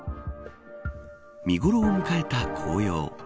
見頃を迎えた紅葉。